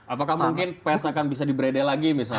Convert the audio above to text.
apakah mungkin pers akan bisa diberede lagi misalnya